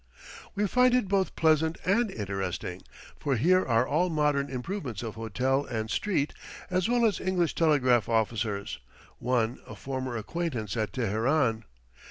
We find it both pleasant and interesting, for here are all modern improvements of hotel and street, as well as English telegraph officers, one a former acquaintance at Teheran.